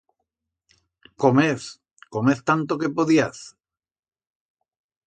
Comez, comez tanto que podiaz.